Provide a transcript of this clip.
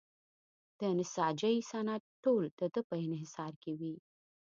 د نساجۍ صنعت ټول د ده په انحصار کې وي.